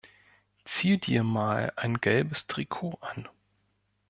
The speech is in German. Zieh dir mal ein gelbes Trikot an.